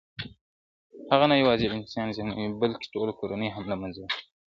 هغه نه يوازي يو انسان زيانمنوي بلکي ټوله کورنۍ هم له منځه وړي,